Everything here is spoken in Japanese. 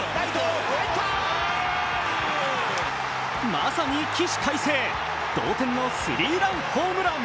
まさに起死回生同点のスリーランホームラン。